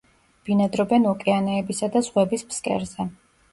ბინადრობენ ოკეანეებისა და ზღვების ფსკერზე.